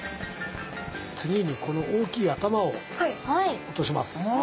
次にこの大きい頭を落とします。